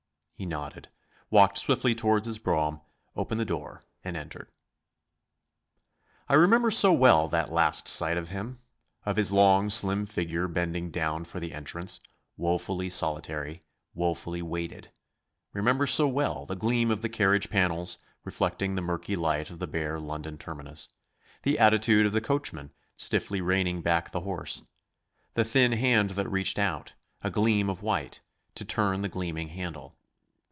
He nodded, walked swiftly toward his brougham, opened the door and entered. I remember so well that last sight of him of his long, slim figure bending down for the entrance, woefully solitary, woefully weighted; remember so well the gleam of the carriage panels reflecting the murky light of the bare London terminus, the attitude of the coachman stiffly reining back the horse; the thin hand that reached out, a gleam of white, to turn the gleaming handle.